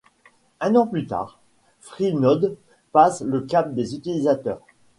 Un an plus tard, Freenode passe le cap des utilisateurs.